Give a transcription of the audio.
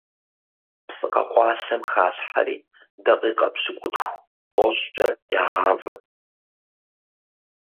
Псы къэкъуалъэм халъхьэри дакъикъэ пщыкӏутху-тӏощӏкъэ ягъавэ.